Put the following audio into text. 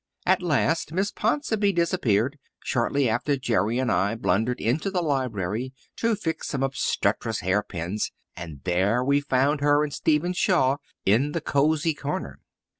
At last Miss Ponsonby disappeared; shortly after Jerry and I blundered into the library to fix some obstreperous hairpins, and there we found her and Stephen Shaw in the cosy corner.